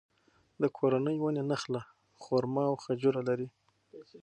د کورنۍ ونې نخله، خورما او خجوره لري.